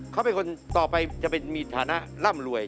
เขาเป็นคนต่อไปจะเป็นมีฐานะร่ำรวย